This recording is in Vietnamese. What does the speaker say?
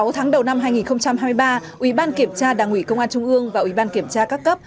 sáu tháng đầu năm hai nghìn hai mươi ba ủy ban kiểm tra đảng ủy công an trung ương và ủy ban kiểm tra các cấp